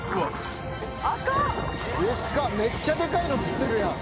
めっちゃデカいの釣ってるやん。